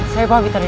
saya bawa biterin